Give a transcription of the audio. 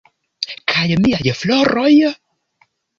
Kaj miaj floroj?